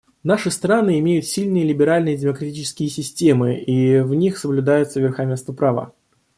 Наши страны имеют сильные либеральные демократические системы, и в них соблюдается верховенство права.